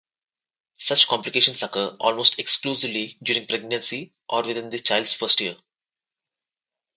Such complications occur almost exclusively during pregnancy or within the child's first year.